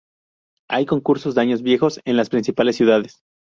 Hay concursos de años viejos en las principales ciudades.